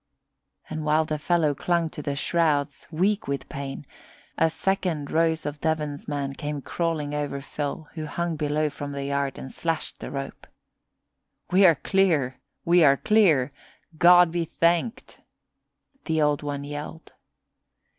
And while the fellow clung to the shrouds, weak with pain, a second Rose of Devon's man came crawling over Phil who hung below from the yard, and slashed the rope. "We are clear! We are clear! God be thanked!" the Old One yelled.